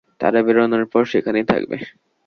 তারা বেরোনোর পর, সেখানেই থাকবে।